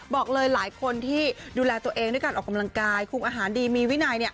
บอกเลยหลายคนที่ดูแลตัวเองด้วยการออกกำลังกายคุมอาหารดีมีวินัย